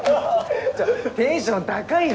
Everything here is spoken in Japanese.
テンション高いな。